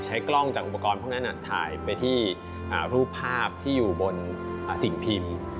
ใช้กล้องจากอุปกรณ์พวกนั้นถ่ายไปที่รูปภาพที่อยู่บนสิ่งพิมพ์